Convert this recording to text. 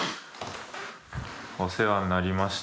お世話になりました。